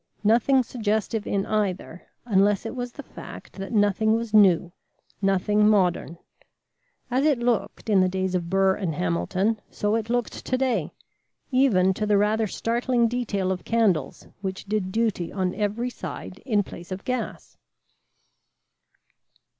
Nothing suggestive in either, unless it was the fact that nothing was new, nothing modern. As it looked in the days of Burr and Hamilton so it looked to day, even to the rather startling detail of candles which did duty on every side in place of gas.